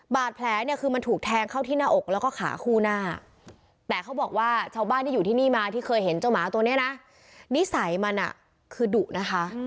บาดแผลเนี่ยคือมันถูกแทงเข้าที่หน้าอกแล้วก็ขาคู่หน้าแต่เขาบอกว่าชาวบ้านที่อยู่ที่นี่มาที่เคยเห็นเจ้าหมาตัวนี้นะนิสัยมันคือดุนะคะ